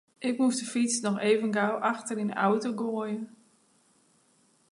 Ik moast de fyts noch even gau achter yn de auto goaie.